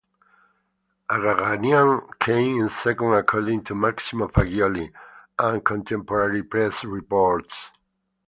Agagianian came in second according to Massimo Faggioli and contemporary press reports.